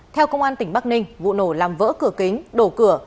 theo công an tỉnh bắc ninh vụ nổ làm vỡ cửa kính đổ cửa